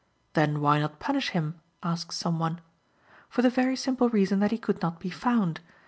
"Then why not punish him?" asks some one. For the very simple reason that he could not be found.